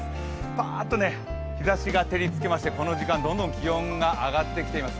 パーッと日ざしが照りつけましてこの時間どんどん気温が上がってきています。